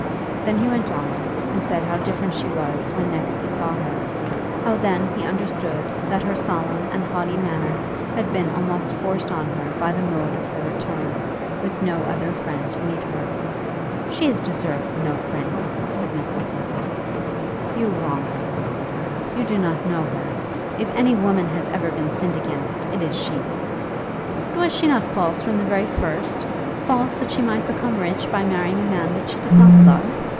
Then he went on, and said how different she was when next he saw her. How then he understood that her solemn and haughty manner had been almost forced on her by the mode of her return, with no other friend to meet her. "She has deserved no friend," said Mrs. Burton. "You wrong her," said Harry; "you do not know her. If any woman has been ever sinned against, it is she." "But was she not false from the very first, false, that she might become rich by marrying a man that she did not love?